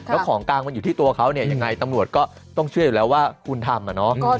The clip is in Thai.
แล้วของกลางมันอยู่ที่ตัวเขาเนี่ยยังไงตำรวจก็ต้องเชื่ออยู่แล้วว่าคุณทำอะเนาะ